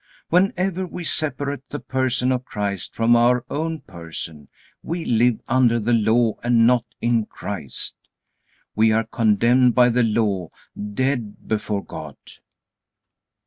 Whenever we separate the person of Christ from our own person, we live under the Law and not in Christ; we are condemned by the Law, dead before God.